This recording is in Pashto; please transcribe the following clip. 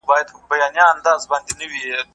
آیا خپلواکي تر استعمار خوندوره ده؟